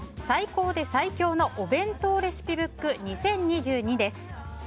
最高で最強のお弁当レシピブック２０２２です。